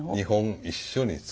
２本一緒に。